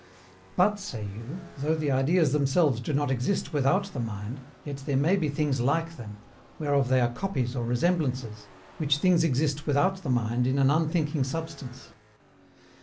But, say you, though the ideas themselves do not exist without the mind, yet there may be things LIKE them, whereof they are copies or resemblances, which things exist without the mind in an unthinking substance.